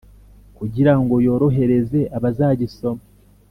Kugira ngo yorohereze abazagisoma